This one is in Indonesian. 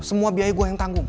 semua biaya gue yang tanggung